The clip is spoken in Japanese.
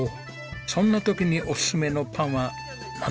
そんな時におすすめのパンはなんですかね？